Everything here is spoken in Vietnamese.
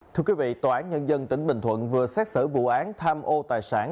thưa quý vị tòa án nhân dân tỉnh bình thuận vừa xét xử vụ án tham ô tài sản